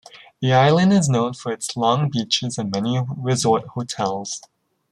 The island is known for its long beaches and many resort hotels.